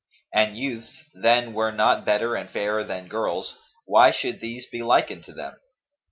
An youths, then, were not better and fairer than girls, why should these be likened to them?